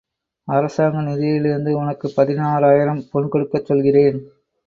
அரசாங்க நிதியிலிருந்து உனக்குப் பதினாயிரம் பொன்கொடுக்கச் சொல்கிறேன்.